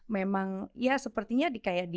memang ya sepertinya di kayak di